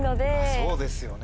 そうですよね。